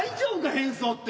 変装って。